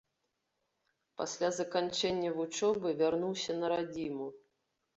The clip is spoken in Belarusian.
Пасля заканчэння вучобы вярнуўся на радзіму.